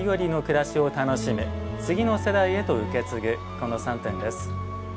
この３点です。